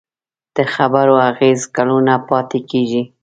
د خبرو اغېز کلونه پاتې کېږي.